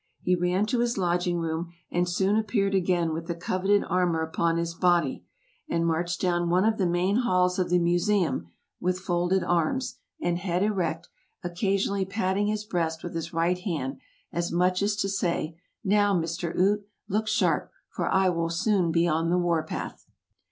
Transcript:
He ran to his lodging room, and soon appeared again with the coveted armor upon his body, and marched down one of the main halls of the Museum, with folded arms, and head erect, occasionally patting his breast with his right hand, as much as to say, "now, Mr. Ute, look sharp, for I will soon be on the war path!"